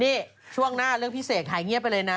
นี่ช่วงหน้าเรื่องพี่เสกหายเงียบไปเลยนะ